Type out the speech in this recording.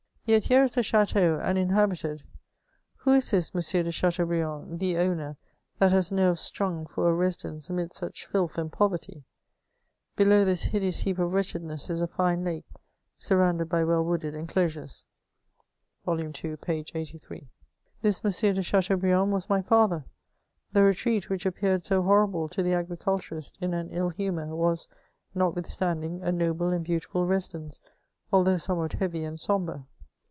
Yet here is a chatean, and inhabited ; who is this M. de Chateaubriand, the owner, that has nerves strung for a residence amidst such filth and poverty ? Below this hideous heap <^ wretchedness is a fine lake, sur rounded by wdl wooded indosures*"— {VoL ii. p» 83.) This M. de Chateaubriand was my fiither, the retreat which appeared so horrible to the agriculturist in an ill humour, was, notwithstanding, a noUe and beautiful residence, although somewhat heavy and sombre.